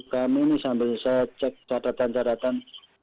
kami ini sambil saya cek catatan catatan